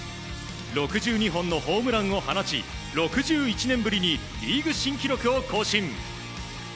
６２本のホームランを放ち６１年ぶりにリーグ新記録を更新。